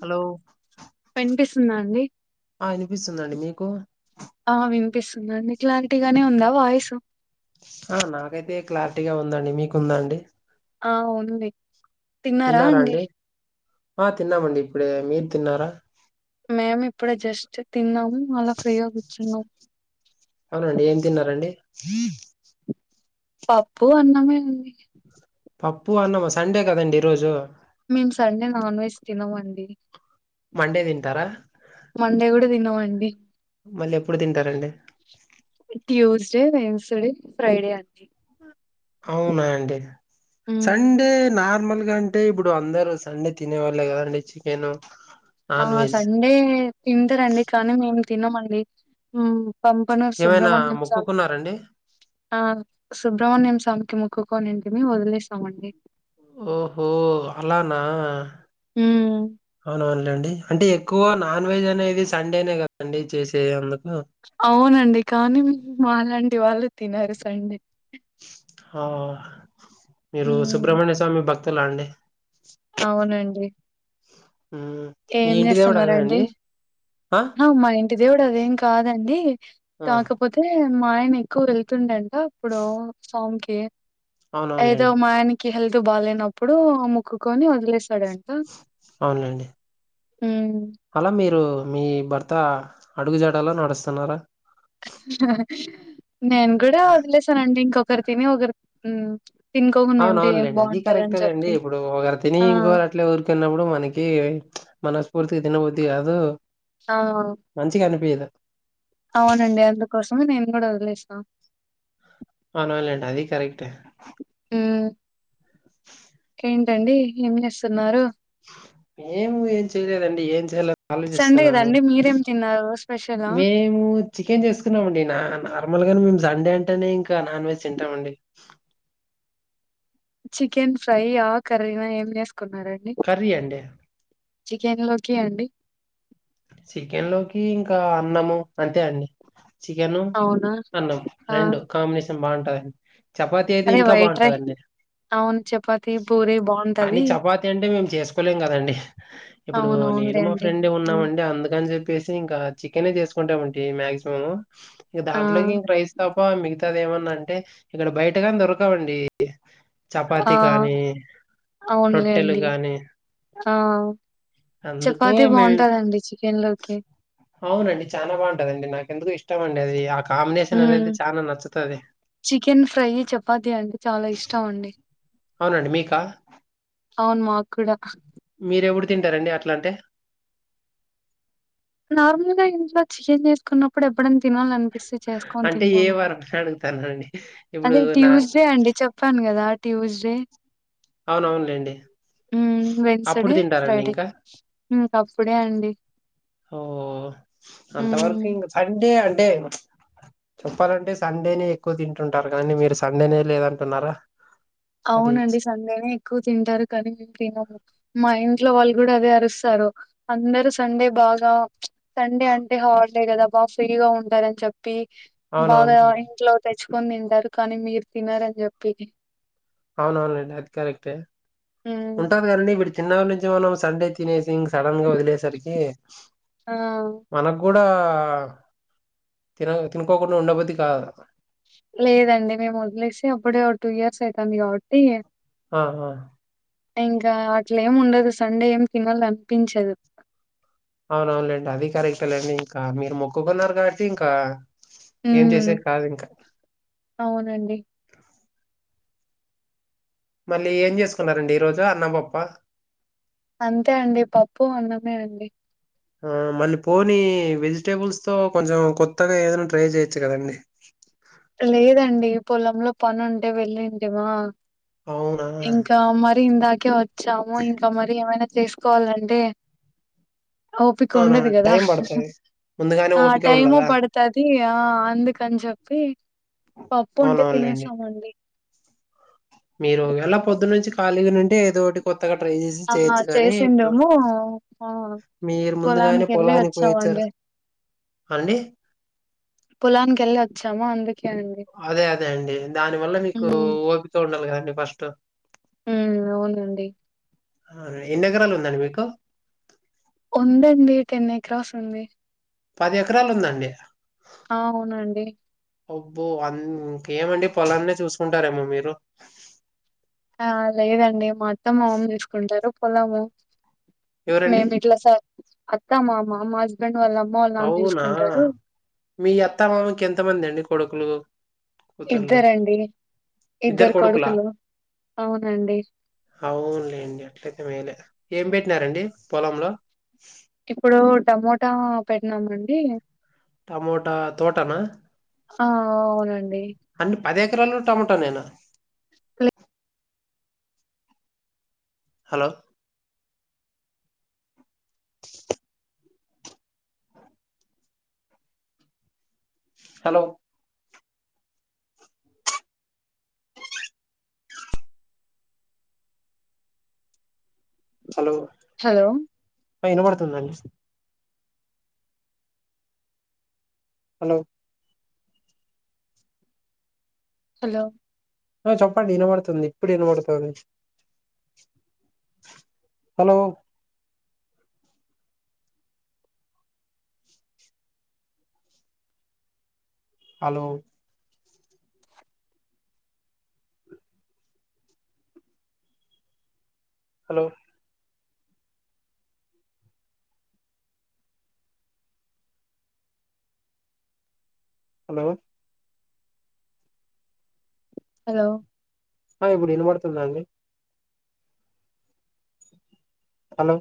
Hello వినిపిస్తుందా అండి ఆ వినిపిస్తుందండి మీకు ఆ వినిపిస్తుందండి క్లారిటీగానే ఉందా వాయిస్ ఆ నాకైతే క్లారిటీగా ఉందండి మీకుందండి ఆ ఉంది తిన్నారా అండి ఆ తిన్నామండి ఇప్పుడే మీరు తిన్నారా మేము ఇప్పుడు జస్ట్ తిన్నాము అలా ఫ్రీగా కూర్చున్నాం అవునండి ఏం తిన్నారండి పప్పు అన్నమే ఉంది పప్పు అన్నమా సండే కదండి ఈరోజు మేము సండే నాన్ వెజ్ తినమండి మండే తింటారా మండే కూడా తినవండి మళ్ళీ ఎప్పుడు తింటారండి ట్యూస్డే వెమ్స్డే ఫ్రైడే అండి అవునా అండి మ్మ్. సండే నార్మల్గా అ అంటే ఇప్పుడు అందరు సండే తినే వాళ్ళే కదండి చికెన్ ఆ నాన్ వెజ్ సండే తింటరండి కానీ మేము తినమండి ఉ పంపన ఏమైనా సుబ్రమణ్యం శాల్. మొక్కుకున్నారండి ఆ సుబ్రహ్మణ్యం స్వామికి మొక్కుకోనింటిని వదిలేసామండి. ఓహో అలానా మ్మ్. అవునవునులేండి అంటే ఎ. ఎక్కువ నాన్ వెజ్ అనేది సండేనే కదండి చేసేది అందుకు. అవునండి కానీ మాలాంటి వాళ్ళు తినరు సండే. ఆ మీరు హ్మ్. సుబ్రహ్మణ్య స్వామి భక్తులా అండి. అవునండి. హ. ఏం చేస్తున్నారండి. ఆ అవు మా ఇంటి దేవుడు అదేం కాదండి ఆ కాక. పోతే మా ఆయన ఎక్కువ వెళ్తుండంట అప్పుడు సోమ్కి ఏదో. అవునవునులేండి ఆయనికి హెల్త్ బాగాలేనప్పుడు ముక్కుకొని వదిలేసాడంట. అవునండి. హ్మ్. అలా మీరు మీ భర్త అడుగు జాడలో నడుస్తున్నారా. నేను కూడా వదిలే సానండి ఇంకొకరు తిని ఒకరు. తినుకోకుండా అవున ఉంటే ఏం అవునులేండి అది బావుంటదని కరెక్టాలేండి చెప్పి. ఇప్పుడు ఒకరు తిని ఆ! ఇంకొరు అట్లే ఊరుకున్నప్పుడు మనకి మన. పూర్తిగా తినబుద్ధి కాదు. అవు. మంచిగా అనిపియ్యదు. అవునండి అందుకోసమే నేను కూడా వదిలేసిన. అవునవును లేండి అది కరెక్టే. ఉ. ఏంటండి ఏం చేస్తున్నారు. మేము ఏం చెయలేదండి ఏం చేయలో సండే ఆలోచిస్తున్నాము. కదండి మీరేం తిన్నారు స్పెషలా మేము. చికెన్ చేసుకున్నామండి నా నార్మల్ గానే మేము జండే అంటేనే ఇంకా నాన్ వెజ్ తింటామండి. చికెన్ ఫ్రై ఆ కర్రీనా ఏం వేసుకున్నారండి. కర్రీ అన్న్డే. చికెనీ లోకే అండి. చికెన్ లోకి ఇంకా అన్నము అంతే అన్నీ. చికెను అవునా అన్నం ఆ రెండు కాంబినేషన్ బాగుంటదండి. చపాతి అయితే అదే ఇంకా వైట్ రై బాగుంటదండి. అవును చపాతి పూరి కానీ బాగుంటది చపాతి అంటే మేము చేసుకోలేం కదండి. ఇప్పుడు నేను అవునవునులే మా అండి ఫ్రెండ్ ఆ ఉన్నామం. అంటే అందుకని చెప్పేసి ఇంకా చికెన్ చేసుకుంటామంటి మాక్సిమం. ఇంక ఆ దాంట్లోకి ఇంక రైస్ తప్ప మిగతాది ఏమన్నా అంటే ఇక్కడ బయట గాని దొరకవండి. ఆ, చపాతి కానీ అవునులే రొట్టెలు అండి కానీ. ఆ అందుకె చపాతి మేం. బాగుంటదండి చికెన్ లోకి అవునండి చానా బాగుంటదండి నాకెందుకు ఇష్టమండి అది ఆకల్. కాంబినేషన్ ఉమ్ అనేది చానా నచ్చుతది. చికెన్ ఫ్రై చపాతి అంటే చాలా ఇష్టం అండి. అవునండి మీకా. అవును మాక్ కూడా. మీరేపుడు తింటారండి అట్లా అంటే. నార్మల్గా ఇంట్లో చికెన్ చేసుకున్నప్పుడు ఎప్పుడన్నా తినాల అనిపిస్తే చేసుకని తింటామండి. అడుగుతాన్నది అదే ట్యూస్డే అండి చెప్పాను కదా ట్యూస్డే అవునవునులేండి. మ్మ్ అప్పుడు వెన్స్డే తింటారండి ఫ్రైడే ఇంకా? మ్మ్ ఫస్ట్ డే అండి ఓ హ్మ్ అంతవరకు ఇంగ సండే అంటే చెప్పాలంటే సండేనే ఎక్కువ తింటుంటారు కదండీ మీరు సండేనే లేదంటున్నారా అది అవునండి సండేనే ఎక్కువ తింటారు కానీ మేము తినము మా ఇంట్లో వాళ్ళు కూడా అదే అరుస్తారు అందరు సండే బాగా సండే అంటే హాలిడే గదా బాగా ఫ్రీగా ఉంటారని చెప్పి బాగా అవునవునులేండి. ఇంట్లో తెచ్చుకొని తింటారు కానీ మీరు తినారని చెప్పేది అవునవునండి అది కరెక్టే హ్మ్ ఉంటాది కదండీ విడి చిన్నప్పటి నుంచి మనం సండే తినేసి ఇంగ సడన్ గా వదిలేసరికి ఆ మనగ్గూడ తిన తినుకోకుండా ఉండబుద్ధి కాదు లేదండి మేము వదిలేసి అప్పుడే ఒక టూ ఇయర్స్ అయితాంది కాబట్టి ఆ ఆ ఇంకా అట్లేముండదు సండే ఏం తినల్లానిపించదు అవునవునలేండి అది కరెక్టేలెండి ఇంకా మీరు మొక్కుకున్నారు కాబట్టి ఇంకా ఏం హ్మ్. చేసేకి కాదింకా అవునండి మళ్ళీ ఏం చేసుకున్నారండి ఈ రోజు అన్నం పప్పా అంతే అండి పప్పు అన్నమే అండి ఆ మళ్ళీ పోని వెజిటేబుల్స్ తో కొంచెం కొత్తగా ఏదైనా ట్రై చేయొచ్చు కదండి లేదండి పొలంలో పనుంటే వెళ్లింటిమా అవును ఇంకా మరి ఇందాకే వచ్చాము ఇంకా మరి ఏమైనా చేసుకోవాలంటే ఓపిక ఉండదు అవునవును కదా టైం పడతది ముందుగానే ఆ ఓపిక టైము ఉండదా పడుతది ఆ అందుకని చెప్పి పప్పు ఉంటే అవునవునులేండి తినేసామండి మీరు ఎలా పొద్దు నుంచి ఖాళీగా నుంటే ఏదో ఒకటి కొత్తగా ట్రై చేసి ఆ! చేయొచ్చు కానీ ఇప్పుడు చేసిండేమో ఆ! మీరు ముందుగానే పొలానికెళ్ళి పొలానికి పోయిచ్చారు వచ్చామండి. అండి పొలానికెల్లాచ్చాము అండి అదే అదే అండి దాని వల్ల మీకూ హ్మ్. ఓపికతో ఉండాలి గదండి ఫస్ట్ మ్మ్ అవునండి అవునా ఎన్ని ఎకరాలు ఉందండి మీకు? ఉందండి టెన్ ఏక్రాస్ ఉంది పది ఎకరాలు ఉందండి అవునండి అబ్బో అమ్ ఇంకేమంటే పొలాన్నే చూసుకుంటారేమో మీరు ఆ లేదండి మొత్తం మామ జూసుకుంటారు పొలాన్ని ఎవరండి మేమిట్ల స అత్తా మామ హస్బెండ్ వాళ్ళ అమ్మ నాన్న అవునా జూసుకుంటరు మీ అత్త మామకి ఎంతమంది అండి కొడుకులూ? ఇద్దరండి ఇద్దరు కొడుకులూ అవునండి అవున్లేండి అట్లయితే మేలే ఏం బెట్టినారండి పొలంలో? ఇప్పుడూ టమోటా పెట్టినామండి టమోటా తోటనా ఆ అవునండీ అన్ని పది ఎకరాలు కూడా టమోటా నేనా [unintelligible] హలో హలో హలో హలో వినబడుతుందండి హాలో హలో చెప్పండి వినబడుతుంది. ఇప్పుడు వినబడుతుంది hello hello hello hello hello ఆ ఇప్పుడు వినబడుతుంద అండి హలో